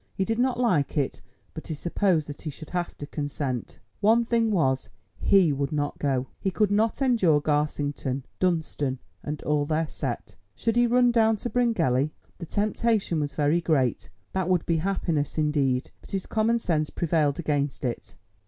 He did not like it, but he supposed that he should have to consent. One thing was, he would not go. He could not endure Garsington, Dunstan, and all their set. Should he run down to Bryngelly? The temptation was very great; that would be happiness indeed, but his common sense prevailed against it.